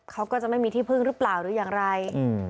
เขาก็จะไม่มีที่พึ่งหรือเปล่าหรืออย่างไร